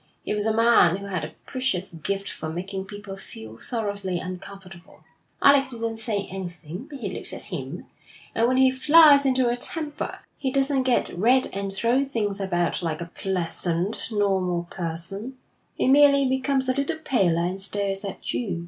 He was a man who had a precious gift for making people feel thoroughly uncomfortable. Alec didn't say anything, but he looked at him; and, when he flies into a temper, he doesn't get red and throw things about like a pleasant, normal person he merely becomes a little paler and stares at you.'